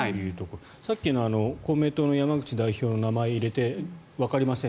さっきの公明党の山口代表の名前を入れてわかりません